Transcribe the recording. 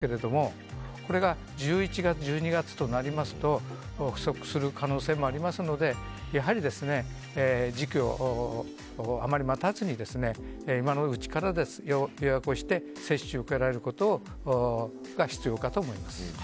インフルエンザワクチンは現在は十分にありますけれどもこれが１１月１２月となりますと不足する可能性もありますのでやはり、時期をあまり待たずに今のうちから予約をして接種を受けられることが必要かと思います。